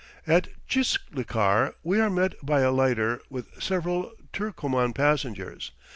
At Tchislikar we are met by a lighter with several Turcoman passengers.